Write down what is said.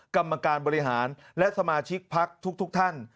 กรรมการบริหารและสมาชิกพักทุกท่าน